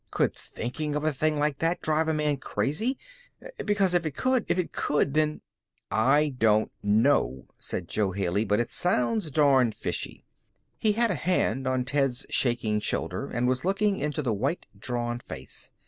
Could thinking of a thing like that drive a man crazy? Because if it could if it could then " "I don't know," said Jo Haley, "but it sounds darned fishy." He had a hand on Ted's shaking shoulder, and was looking into the white, drawn face.